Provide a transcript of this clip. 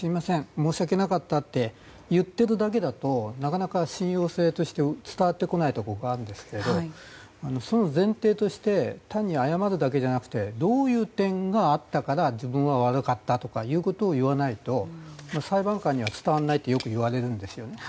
申し訳なかったって言ってるだけだとなかなか信用性として伝わってこないところがあるんですけど前提として単に謝るだけじゃなくてどういう点があったから自分は悪かったということを言わないと裁判官には伝わらないってよくいわれるんですよね。